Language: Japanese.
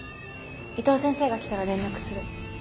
伊藤先生が来たら連絡する。